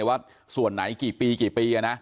ว่าส่วนไหนกี่ปีกี่ปีนะ